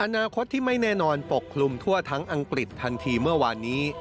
อนาคตที่ไม่แน่นอนปกคลุมทั่วทั้งอังกฤษทันทีเมื่อวานนี้